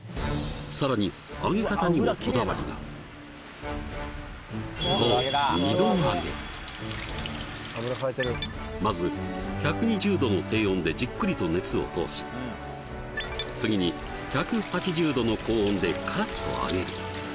さらに揚げ方にもこだわりがそうまず１２０度の低温でじっくりと熱を通し次に１８０度の高温でカラッと揚げる